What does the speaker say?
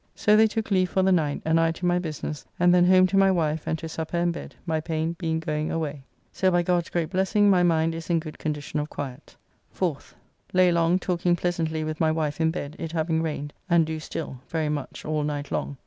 So they took leave for the night, and I to my business, and then home to my wife and to supper and bed, my pain being going away. So by God's great blessing my mind is in good condition of quiet. 4th. Lay long talking pleasantly with my wife in bed, it having rained, and do still, very much all night long.